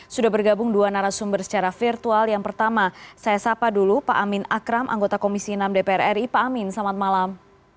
sudah bergabung dua narasumber secara virtual yang pertama saya sapa dulu pak amin akram anggota komisi enam dpr ri pak amin selamat malam